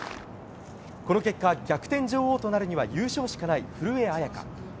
この結果、逆転女王となるには優勝しかない古江彩佳。